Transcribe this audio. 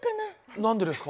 何でですか？